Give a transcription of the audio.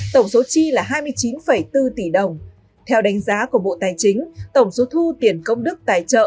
tổng số chi là hai mươi chín bốn tỷ đồng theo đánh giá của bộ tài chính tổng số thu tiền công đức tài trợ